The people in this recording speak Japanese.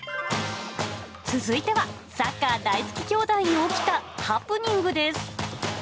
続いては、サッカー大好き兄弟に起きたハプニングです。